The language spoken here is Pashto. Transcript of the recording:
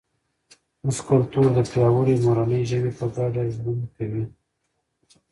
زموږ کلتور د پیاوړي مورنۍ ژبې په ګډه ژوند کوي.